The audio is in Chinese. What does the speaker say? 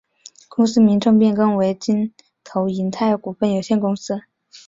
公司名称变更为京投银泰股份有限公司。